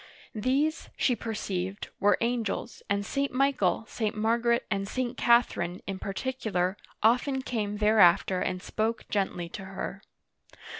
These, she perceived, were angels, and St. Michael, St. Margaret, and St. Catherine, in particular, often came thereafter and spoke gently to her.